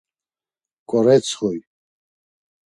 K̆oretsxuy.